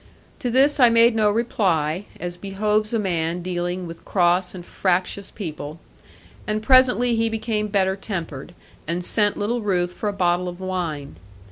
To this I made no reply, as behoves a man dealing with cross and fractious people; and presently he became better tempered, and sent little Ruth for a bottle of wine.